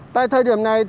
tại thời điểm này